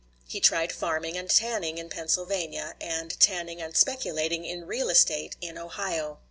He tried farming and tanning in Pennsylvania, and tanning and speculating in real estate in Ohio.